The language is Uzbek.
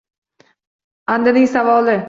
Andining savoli: